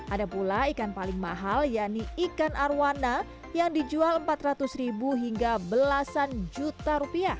ada pula ikan paling mahal yakni ikan arowana yang dijual rp empat ratus hingga belasan juta rupiah